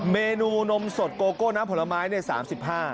เมนูนมสดโกโก้น้ำผลไม้เนี่ย๓๕บาท